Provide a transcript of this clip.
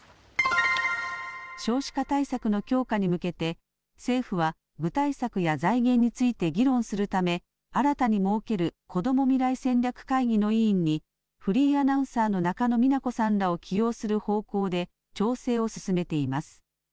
少子化対策の強化に向けて政府は具体策や財源について議論するため新たに設けるこども未来戦略会議の委員にフリーアナウンサーの中野美奈子さんらを起用する方向で調整を進めています。